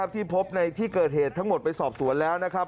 ที่พบในที่เกิดเหตุทั้งหมดไปสอบสวนแล้วนะครับ